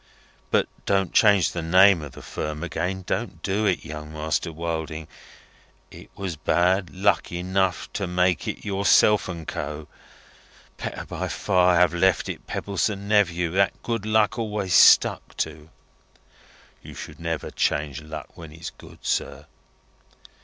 But don't change the name of the Firm again. Don't do it, Young Master Wilding. It was bad luck enough to make it Yourself and Co. Better by far have left it Pebbleson Nephew that good luck always stuck to. You should never change luck when it's good, sir."